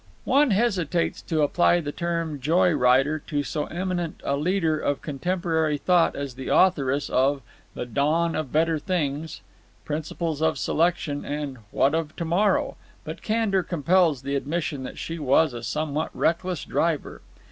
One hesitates to apply the term "joy rider" to so eminent a leader of contemporary thought as the authoress of "The Dawn of Better Things," "Principles of Selection," and "What of To morrow?" but candour compels the admission that she was a somewhat reckless driver.